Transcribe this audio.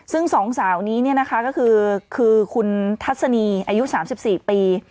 ซึ่งสองสาวนี้เนี่ยนะคะก็คือคือคุณทัศนีอายุสามสิบสี่ปี